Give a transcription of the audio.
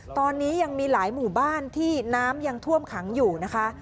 ตอนนี้ยังมีหลายหมู่บ้านที่น้ำยังท่วมขังอยู่นะคะ